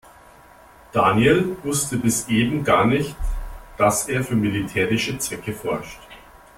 Daniel wusste bis eben gar nicht, dass er für militärische Zwecke forscht.